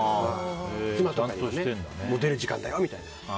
妻とかにもねもう出る時間だよみたいな。